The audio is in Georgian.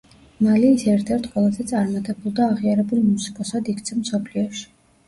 მალე ის ერთ-ერთ ყველაზე წარმატებულ და აღიარებულ მუსიკოსად იქცა მსოფლიოში.